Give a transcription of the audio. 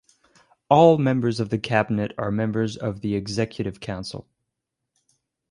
All members of the Cabinet are members of the Executive Council.